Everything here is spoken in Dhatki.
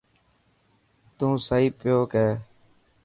تون صحيح پيو ڪيهه.